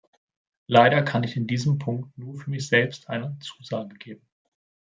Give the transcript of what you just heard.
Leider kann ich in diesem Punkt nur für mich selbst eine Zusage geben.